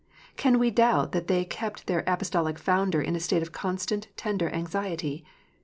Can we doubt that they kept their Apostolic founder in a state of constant tender anxiety